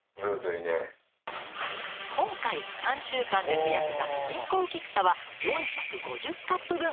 今回３週間で増やせたミジンコウキクサは４５０カップ分。